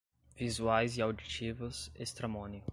visuais e auditivas, estramónio